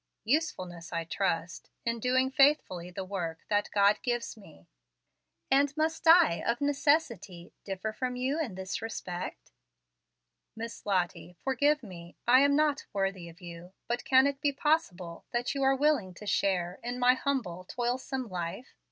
"Usefulness, I trust, the doing faithfully the work that God gives me." "And must I of necessity differ from you in this respect?" "Miss Lottie, forgive me. I am not worthy of you. But can it be possible that you are willing to share in my humble, toilsome life?